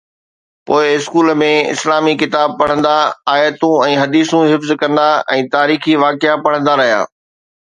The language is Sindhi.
پوءِ اسڪول ۾ اسلامي ڪتاب پڙهندا، آيتون ۽ حديثون حفظ ڪندا ۽ تاريخي واقعا پڙهندا رهيا.